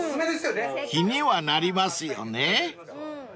［気にはなりますよね］